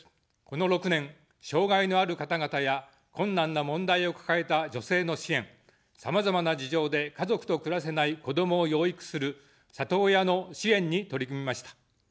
この６年、障がいのある方々や困難な問題を抱えた女性の支援、さまざまな事情で家族と暮らせない子どもを養育する里親の支援に取り組みました。